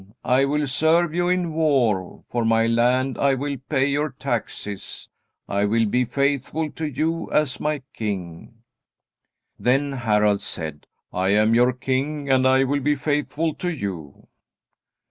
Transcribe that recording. I will serve you in war. For my land I will pay you taxes. I will be faithful to you as my king." Then Harald said: "I am your king, and I will be faithful to you."